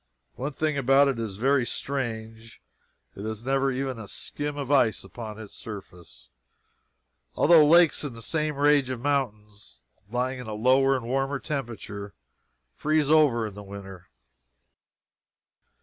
One thing about it is very strange: it never has even a skim of ice upon its surface, although lakes in the same range of mountains, lying in a lower and warmer temperature, freeze over in winter.